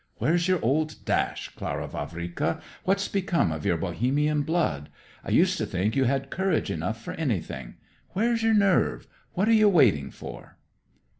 Where's your old dash, Clara Vavrika? What's become of your Bohemian blood? I used to think you had courage enough for anything. Where's your nerve what are you waiting for?"